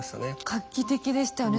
画期的でしたよね。